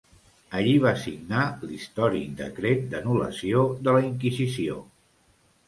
Allí va signar l'històric decret d'anul·lació de la Inquisició.